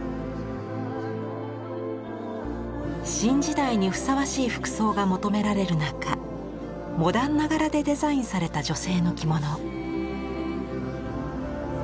新時代にふさわしい服装が求められる中モダンな柄でデザインされた女性の着物。